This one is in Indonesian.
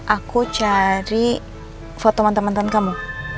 aku cari foto mantan mantan kamu